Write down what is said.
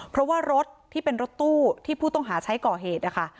เพราะว่ารถที่เป็นรถตู้ที่ผู้ต้องหาใช้ก่อเหตุนะคะ